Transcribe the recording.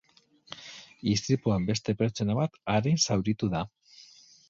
Istripuan beste pertsona bat arin zauritu da.